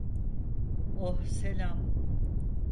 Oh, selam.